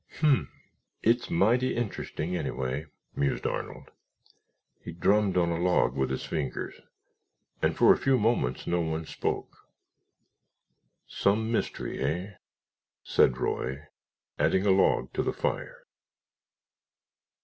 "Hmph—it's mighty interesting, anyway," mused Arnold. He drummed on a log with his fingers, and for a few moments no one spoke. "Some mystery, hey?" said Roy, adding a log to the fire.